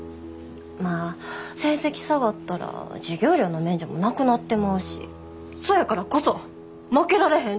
まあ成績下がったら授業料の免除もなくなってまうしそやからこそ負けられへんって思うねん。